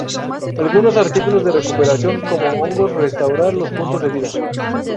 Algunos artículos de recuperación, como hongos, restaurar los puntos de vida.